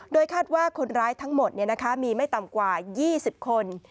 โดยคาดว่าคนร้ายทั้งหมดมีไม่ต่ำกว่า๒๐คน